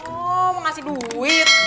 oh mau ngasih duit